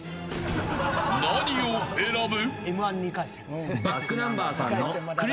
何を選ぶ。